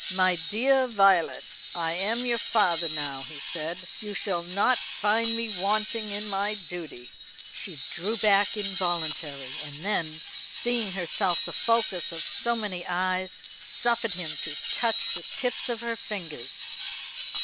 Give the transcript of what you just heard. "My dear Violet, I am your father now," he said. "You shall not find me wanting in my duty." She drew back involuntarily; and then, seeing herself the focus of so many eyes, suffered him to touch the tips of her fingers.